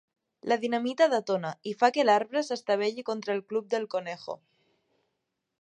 La dinamita detona i fa que l'arbre s'estavelli contra el Club Del Conejo.